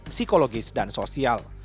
psikologis dan sosial